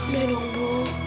udah dong bu